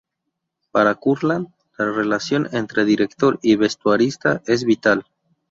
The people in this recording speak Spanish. Para Kurland La relación entre director y vestuarista es vital.